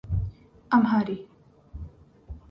امہاری